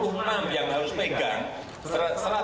satu ratus dua puluh enam juta baru diberikan empat puluh enam